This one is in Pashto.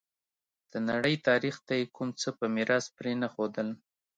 د نړۍ تاریخ ته یې کوم څه په میراث پرې نه ښودل.